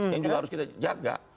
yang juga harus kita jaga